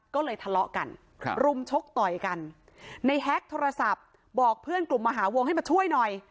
ก็เลยทะเลาะกันครับรุมชกต่อยกันในแฮกโทรศัพท์บอกเพื่อนกลุ่มมหาวงให้มาช่วยหน่อย